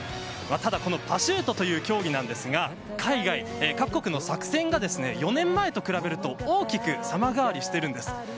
ただパシュートという競技ですが海外、各国の作戦が４年前と比べると大きく様変わりしているんです。